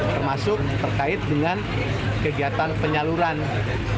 termasuk terkait dengan kegiatan yang beresiko terhadap lingkungan